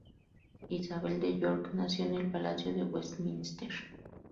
Isabel de York nació en el Palacio de Westminster.